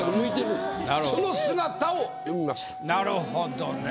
なるほどね。